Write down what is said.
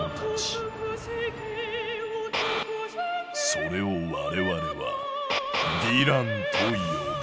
それを我々は「ヴィラン」と呼ぶ。